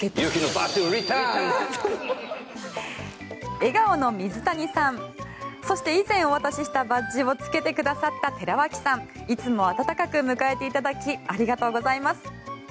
笑顔の水谷さんそして以前お渡ししたバッジをつけてくださった寺脇さんいつも温かく迎えていただきありがとうございます。